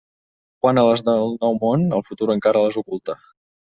Quant a les del Nou Món, el futur encara les oculta.